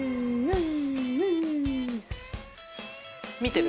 見てる？